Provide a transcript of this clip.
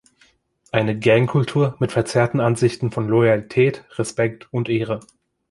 Eine Gang-Kultur mit verzerrten Ansichten von Loyalität, Respekt und Ehre.